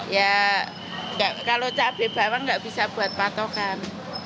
ya kalau cabai bawang nggak bisa buat patokan